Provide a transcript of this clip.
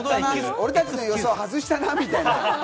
俺たちの予想を外したなみたいな。